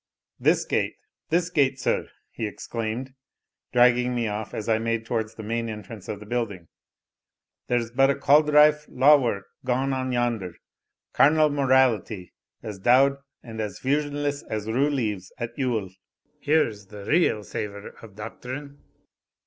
"This gate this gate, sir," he exclaimed, dragging me off as I made towards the main entrance of the building "There's but cauldrife law work gaun on yonder carnal morality, as dow'd and as fusionless as rue leaves at Yule Here's the real savour of doctrine."